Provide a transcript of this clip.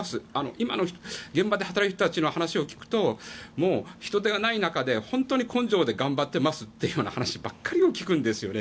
今の現場で働いている人たちの話を聞くともう人手がない中で本当に根性で頑張ってますという話ばかり聞くんですよね。